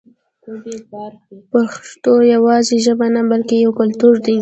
پښتو یوازې ژبه نه بلکې یو کلتور دی.